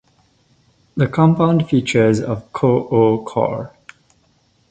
The compound features of CoO core.